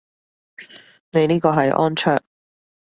你呢個係安卓